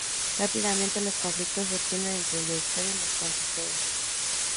Rápidamente, los conflictos surgieron entre el Directorio y los Consejos.